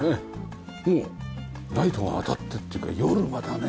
もうライトが当たってというか夜またね